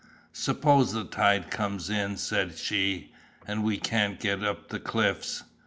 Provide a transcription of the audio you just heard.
"Suppose the tide comes in," said she, "and we can't get up the cliffs?"